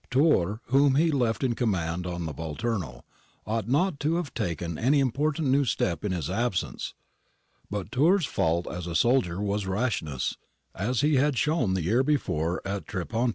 Turr, whom he left in command on the Volturno, ought not to have taken any important new step in his absence, but Turr's fault as a soldier was rashness, as he had shown the year before at Treponti.